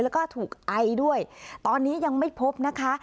แล้วก็ถูกไอด้วยตอนนี้ยังไม่พบนะคะ